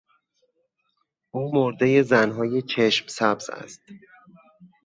او مردهی زنهای چشم سبز است.